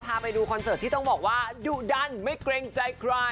พาไปดูคอนเสิร์ตที่ต้องบอกว่าดุดันไม่เกรงใจใคร